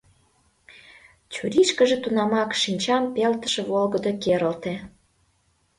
Чурийышкыже тунамак шинчам пелтыше волгыдо керылте.